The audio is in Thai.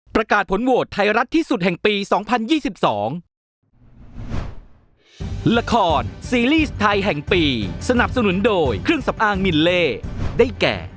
ประกาศผลโหวตไทยรัฐที่สุดแห่งปี๒๐๒๒